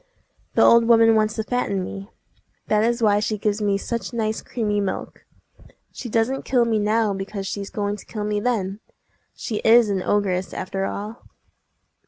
The old woman wants to fatten me! That is why she gives me such nice creamy milk. She doesn't kill me now because she's going to kill me then! She is an ogress, after all!"